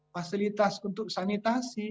fasilitas untuk sanitasi